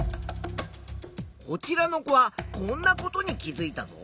こちらの子はこんなことに気づいたぞ。